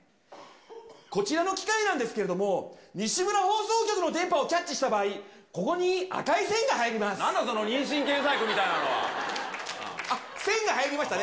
こちらの機械なんですけれども、西村放送局の電波をキャッチした場合、なんだその妊娠検査薬みたいあっ、線が入りましたね。